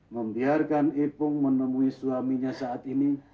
membiarkan ipung menemui suaminya saat ini